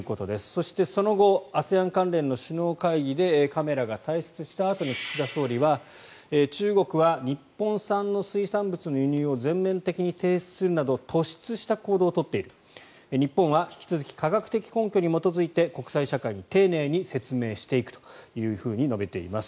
そして、その後ＡＳＥＡＮ関連の首脳会議でカメラが退出したあとに岸田総理は中国は日本産の水産物の輸入を全面的に停止するなど突出した行動を取っている日本は引き続き科学的根拠に基づいて国際社会に丁寧に説明していくと述べています。